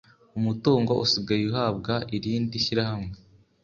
umutungo usigaye uhabwa irindi shyirahamwe